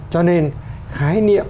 cho nên khái niệm